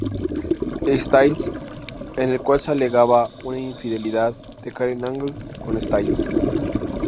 Styles, en el cual se alegaba una infidelidad de Karen Angle con Styles.